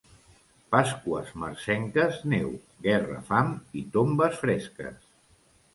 Pasqües marcenques, neu, guerra, fam i tombes fresques.